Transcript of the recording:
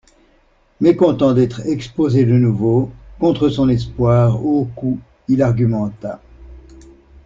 Mécontent d'être exposé de nouveau, contre son espoir, aux coups, il argumenta.